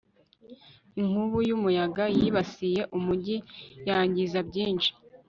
inkubi y'umuyaga yibasiye umujyi, yangiza byinshi